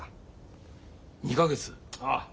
ああ。